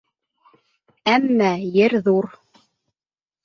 Әммә Ер ҙур.